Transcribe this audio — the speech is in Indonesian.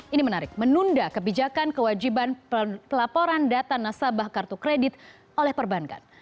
ini menarik menunda kebijakan kewajiban pelaporan data nasabah kartu kredit oleh perbankan